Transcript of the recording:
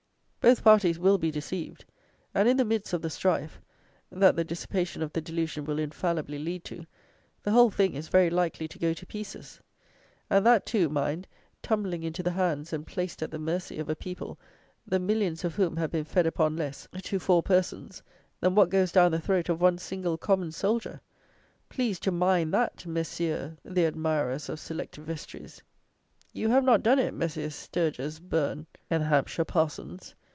Both parties will be deceived, and in the midst of the strife, that the dissipation of the delusion will infallibly lead to, the whole THING is very likely to go to pieces; and that, too, mind, tumbling into the hands and placed at the mercy, of a people, the millions of whom have been fed upon less, to four persons, than what goes down the throat of one single common soldier! Please to mind that, Messieurs the admirers of select vestries! You have not done it, Messieurs Sturges Bourne and the Hampshire Parsons!